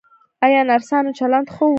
ایا نرسانو چلند ښه و؟